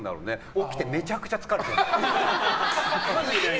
起きて、めちゃくちゃ疲れてるの。